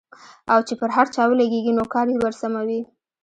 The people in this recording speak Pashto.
او چې پر هر چا ولګېږي نو کار يې ورسموي.